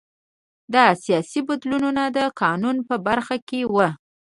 دا سیاسي بدلونونه د قانون په برخه کې وو